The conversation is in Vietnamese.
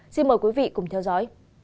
xin mời quý vị cùng theo dõi